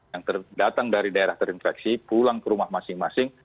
yang datang dari daerah terinfeksi pulang ke rumah masing masing